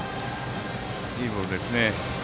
いいボールですね。